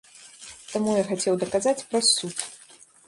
Таму я хацеў даказаць праз суд.